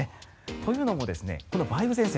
というのもこの梅雨前線